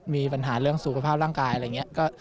มีปัญหาเรื่องสุขภาพร่างกายอะไรอย่างนี้